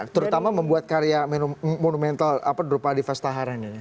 terutama membuat karya monumental apa di rupa adi fastaharan ini